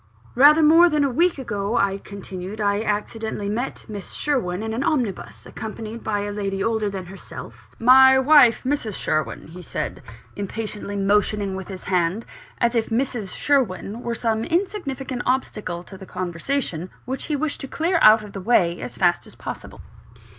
"Rather more than a week ago," I continued, "I accidentally met Miss Sherwin in an omnibus, accompanied by a lady older than herself " "My wife; Mrs. Sherwin," he said, impatiently motioning with his hand, as if "Mrs. Sherwin" were some insignificant obstacle to the conversation, which he wished to clear out of the way as fast as possible.